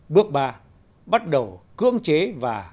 bước ba bắt đầu cưỡng chế và